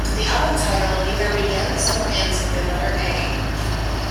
The album title neither begins nor ends with the letter 'a'.